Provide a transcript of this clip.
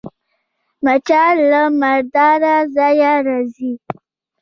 مچان له مرداره ځایه راځي